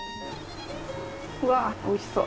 うわっおいしそう。